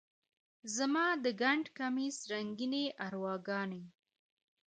زما د ګنډ کمیس رنګینې ارواګانې،